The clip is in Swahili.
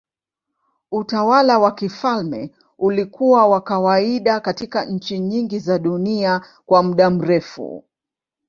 Utawala wa kifalme ulikuwa wa kawaida katika nchi nyingi za dunia kwa muda mrefu.